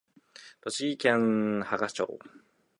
栃木県芳賀町